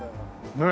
ねえ。